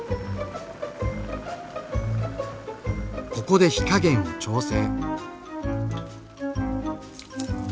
ここで火加減を調整。